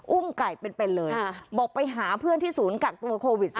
ไก่เป็นเลยบอกไปหาเพื่อนที่ศูนย์กักตัวโควิด๑๙